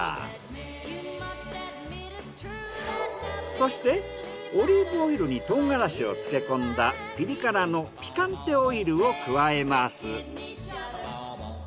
そしてオリーブオイルに唐辛子を漬け込んだピリ辛のピカンテオイルを加えます。